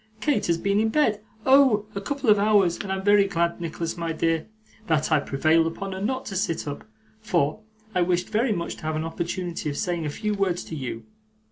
'Kate has been in bed oh! a couple of hours and I'm very glad, Nicholas my dear, that I prevailed upon her not to sit up, for I wished very much to have an opportunity of saying a few words to you.